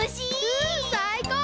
うんさいこう！